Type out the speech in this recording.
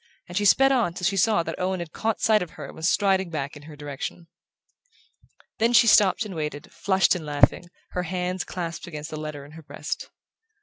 and she sped on till she saw that Owen had caught sight of her and was striding back in her direction. Then she stopped and waited, flushed and laughing, her hands clasped against the letter in her breast.